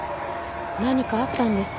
何かあったんですか？